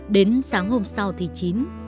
đến sáng hôm sau thì chín